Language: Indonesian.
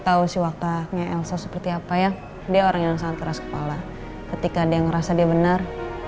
tahu si waktanya elsa seperti apa ya dia orang yang sangat keras kepala ketika dia ngerasa dia benar